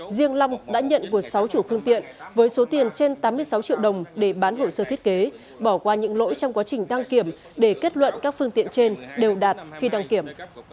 với số tiền trên tám mươi sáu triệu đồng để bán hồ sơ thiết kế bỏ qua những lỗi trong quá trình đăng kiểm để kết luận các phương tiện trên đều đạt khi đăng kiểm